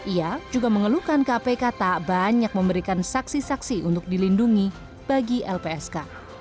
ia juga mengeluhkan kpk tak banyak memberikan saksi saksi untuk dilindungi bagi lpsk